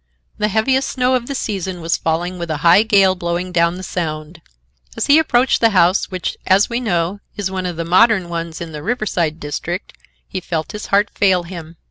The heaviest snow of the season was falling with a high gale blowing down the Sound. As he approached the house, which, as we know, is one of the modern ones in the Riverside district, he felt his heart fail him.